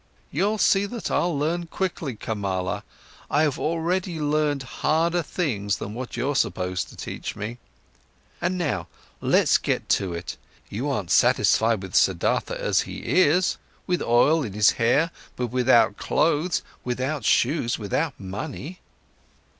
You'll see that I'll learn quickly, Kamala, I have already learned harder things than what you're supposed to teach me. And now let's get to it: You aren't satisfied with Siddhartha as he is, with oil in his hair, but without clothes, without shoes, without money?"